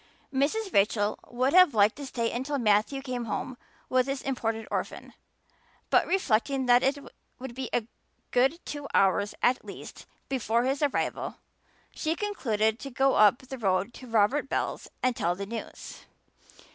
Mrs. Rachel would have liked to stay until Matthew came home with his imported orphan. But reflecting that it would be a good two hours at least before his arrival she concluded to go up the road to Robert Bell's and tell the news.